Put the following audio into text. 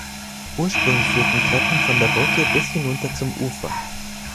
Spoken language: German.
Ursprünglich führten Treppen von der Brücke bis hinunter zum Ufer.